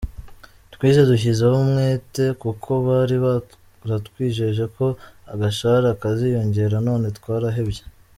Twize dushyizeho umwete, kuko bari baratwijeje ko agashahara kaziyongera none twarahebye.